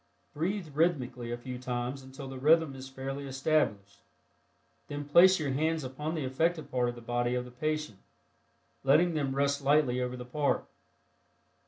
Breathe rhythmically a few times until the rhythm is fairly established, then place your bands upon the affected part of the body of the patient, letting them rest lightly over the part.